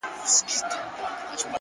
مثبت فکر د هیلو رڼا ساتي